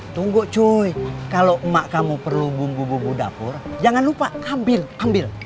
tunggu cuy kalau emak kamu perlu bumbu bumbu dapur jangan lupa ambil